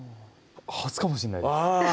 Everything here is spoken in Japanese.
初かもしんないですあぁ